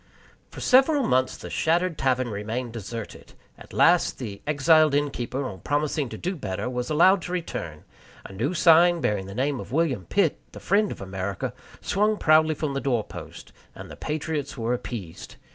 For several months the shattered tavern remained deserted. At last the exiled innkeeper, on promising to do better, was allowed to return; a new sign, bearing the name of William Pitt, the friend of America, swung proudly from the door post, and the patriots were appeased.